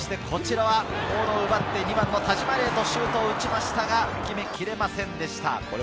こちらはボールを奪って２番の田島黎門、シュートを打ちましたが、決めきれませんでした。